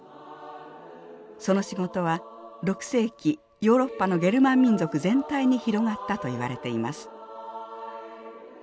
その仕事は６世紀ヨーロッパのゲルマン民族全体に広がったといわれています。